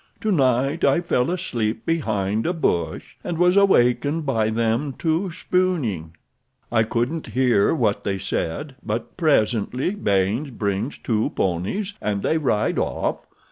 Tonight I fell asleep behind a bush, and was awakened by them two spooning. I couldn't hear what they said, but presently Baynes brings two ponies and they ride off.